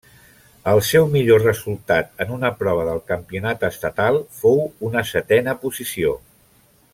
El seu millor resultat en una prova del campionat estatal fou una setena posició.